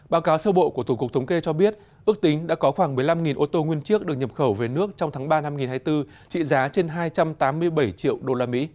báo cáo sơ bộ của tổng cục thống kê cho biết ước tính đã có khoảng một mươi năm ô tô nguyên chiếc được nhập khẩu về nước trong tháng ba năm hai nghìn hai mươi bốn trị giá trên hai trăm tám mươi bảy triệu usd